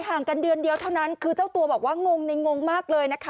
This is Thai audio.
ห่างกันเดือนเดียวเท่านั้นคือเจ้าตัวบอกว่างงในงงมากเลยนะคะ